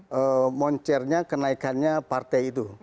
dan itu mencernya kenaikannya partai itu